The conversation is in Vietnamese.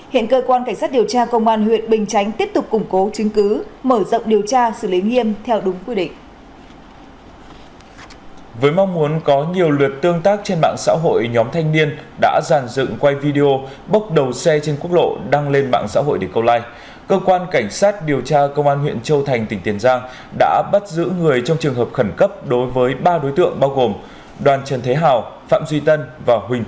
hiện cơ quan cảnh sát điều tra công an huyện bình chánh tiếp tục củng cố chứng cứ mở rộng điều tra xử lý nghiêm theo đúng quy định